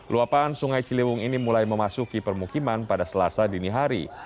luapan sungai ciliwung ini mulai memasuki permukiman pada selasa dini hari